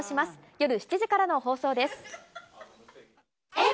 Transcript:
夜７時からの放送です。